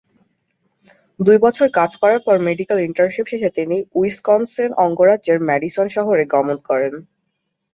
দুই বছর কাজ করার পর মেডিকেল ইন্টার্নশিপ শেষে তিনি উইসকনসিন অঙ্গরাজ্যের ম্যাডিসন শহরে গমন করেন।